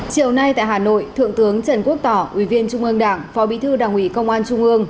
chiều nay tại hà nội thượng tướng trần quốc tỏ ủy viên trung ương đảng phó bí thư đảng ủy công an trung ương